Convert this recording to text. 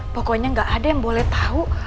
pokoknya nggak ada yang boleh tahu